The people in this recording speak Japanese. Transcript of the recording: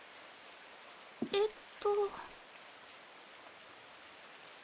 えっと。